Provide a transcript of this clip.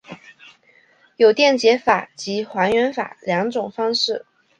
有电解法及还原法两种方式。